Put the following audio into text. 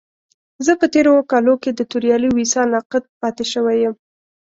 زه په تېرو اوو کالو کې د توريالي ويسا ناقد پاتې شوی يم.